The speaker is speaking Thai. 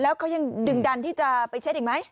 แล้วเขายังดึงดันที่จะไปเช็ดอีกไหม